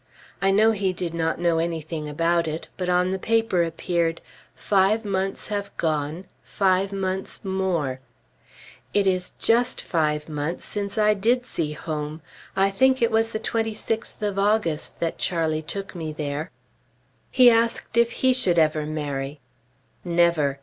I know he did not know anything about it; but on the paper appeared "Five months have gone five months more." It is just five months since I did see home. I think it was the 26th of August that Charlie took me there. He asked if he should ever marry. "Never.